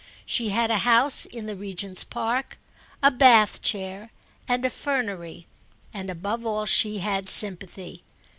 She had a house in the Regent's Park, a Bath chair and a fernery; and above all she had sympathy.